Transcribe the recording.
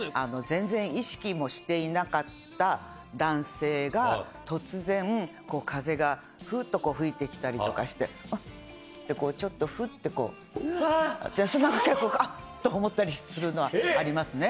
全然、意識もしていなかった男性が、突然、風がふっとこう吹いてきたりとかして、あって、ちょっとふっと、そんな、結構、あって思ったりするのは、ありますね。